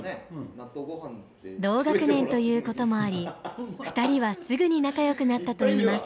同学年という事もあり２人はすぐに仲良くなったといいます。